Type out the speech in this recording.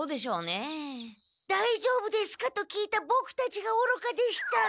「だいじょうぶですか？」と聞いたボクたちがおろかでした。